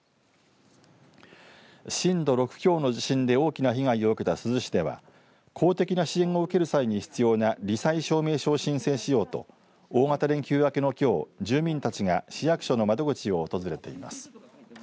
震度６強の地震で大きな被害を受けた珠洲市では公的な支援を受ける際に必要なり災証明書を申請しようと大型連休明けのきょう住民たちが市役所の窓口を訪れています。